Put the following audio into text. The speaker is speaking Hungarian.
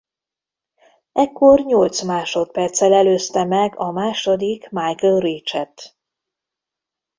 Ekkor nyolc másodperccel előzte meg a második Michael Richet.